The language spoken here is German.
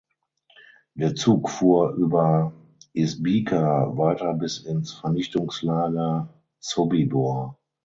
Der Zug fuhr über Izbica weiter bis ins Vernichtungslager Sobibor.